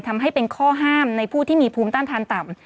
ทำให้เป็นข้อห้ามในผู้ที่มีภูมิต้านทานต่ำ